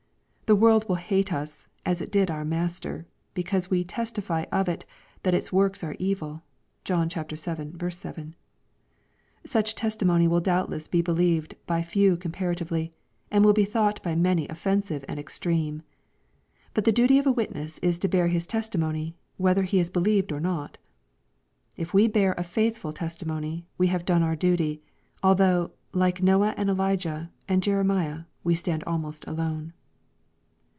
The world will hate us, as it did our Master, because we " testify of it. that its works are evil." (John vii. 7.) Such testimony will doubtless be believed by few comparatively, and will be thought by many offensive and extreme. But the duty of a witness is to bear his testimony, whether he is believed or not. If we bear a faithful testimony, we have done our duty, although, like Noah and Elijah, and Jeremiah, we stand almost alone.